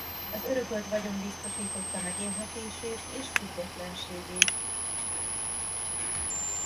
Az örökölt vagyon biztosította megélhetését és függetlenségét.